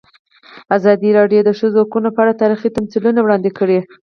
ازادي راډیو د د ښځو حقونه په اړه تاریخي تمثیلونه وړاندې کړي.